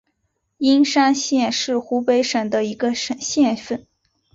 应山县是湖北省的一个县份。